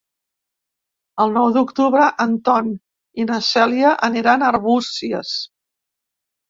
El nou d'octubre en Ton i na Cèlia aniran a Arbúcies.